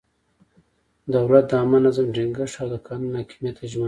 دولت د عامه نظم ټینګښت او د قانون حاکمیت ته ژمن دی.